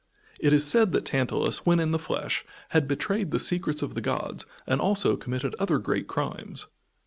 It is said that Tantalus, when in the flesh, had betrayed the secrets of the gods and also committed other great crimes.